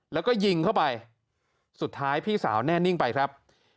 แล้วก็ยิงเข้าไปสุดท้ายพี่สาวแน่นิ่งไปครับ